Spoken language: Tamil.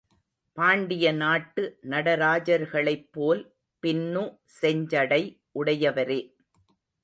பாண்டிய நாட்டு நடராஜர்களைப் போல் பின்னு செஞ்சடை உடையவரே.